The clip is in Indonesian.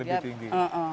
jadi lebih tinggi